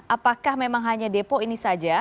apakah memang hanya depo ini saja